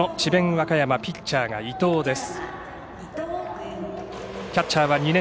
和歌山ピッチャーの伊藤です。